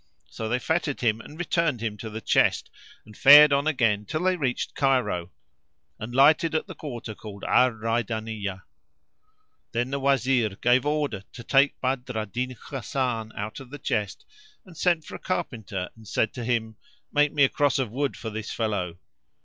So they fettered him and returned him to the chest and fared on again till they reached Cairo and lighted at the quarter called Al Raydaniyah.[FN#477] Then the Wazir gave order to take Badr al Din Hasan out of the chest and sent for a carpenter and said to him, "Make me a cross of wood [FN#478] for this fellow!"